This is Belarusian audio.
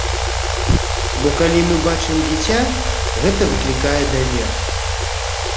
Бо калі мы бачым дзіця, гэта выклікае давер.